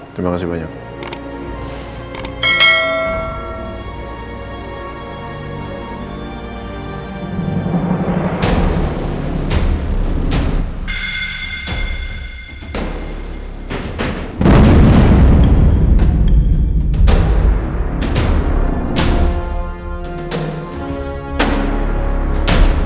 terima kasih banyak